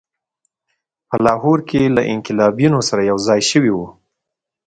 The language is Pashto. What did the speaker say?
په لاهور کې له انقلابیونو سره یوځای شوی وو.